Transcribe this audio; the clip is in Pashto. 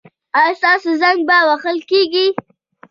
ایا ستاسو زنګ به وهل کیږي؟